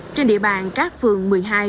trên địa bàn các phường một mươi hai một mươi ba